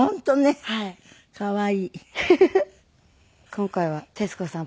今回は徹子さん